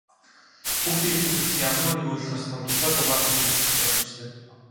Хүүхдийн эрхийг зөрчсөн ямарваа нэгэн үйлдэл гарсан бол тусгай дугаарт мэдэгдэх боломжтой.